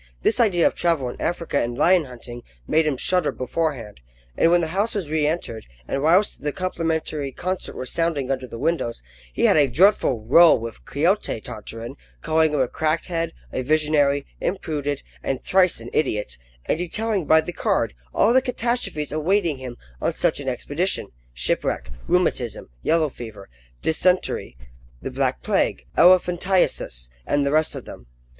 This idea of travel in Africa and lion hunting made him shudder beforehand; and when the house was re entered, and whilst the complimentary concert was sounding under the windows, he had a dreadful "row" with Quixote Tartarin, calling him a cracked head, a visionary, imprudent, and thrice an idiot, and detailing by the card all the catastrophes awaiting him on such an expedition shipwreck, rheumatism, yellow fever, dysentery, the black plague, elephantiasis, and the rest of them.